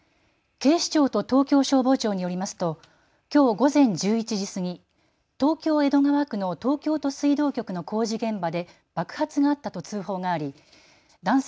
警視庁と東京消防庁によりますときょう午前１１時過ぎ、東京江戸川区の東京都水道局の工事現場で爆発があったと通報があり男性